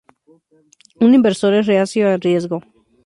Un inversor es reacio al riesgo.